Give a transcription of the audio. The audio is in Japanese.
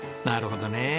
なるほどね。